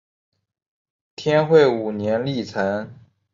天会五年历成。